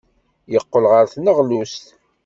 Yeqqel ɣer tneɣlust.